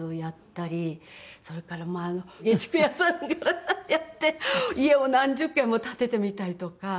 それから下宿屋さんになってやって家を何十軒も建ててみたりとか。